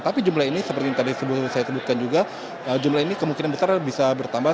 tapi jumlah ini seperti yang tadi saya sebutkan juga jumlah ini kemungkinan besar bisa bertambah